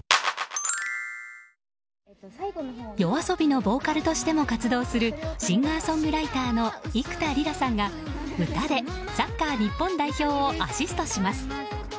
ＹＯＡＳＯＢＩのボーカルとしても活動するシンガーソングライターの幾田りらさんが歌でサッカー日本代表をアシストします。